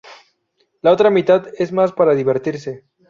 La otra mitad, es más para divertirse.